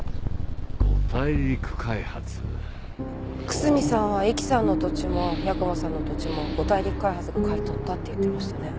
久住さんは壱岐さんの土地も八雲さんの土地も五大陸開発が買い取ったって言ってましたね。